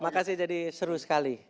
makasih jadi seru sekali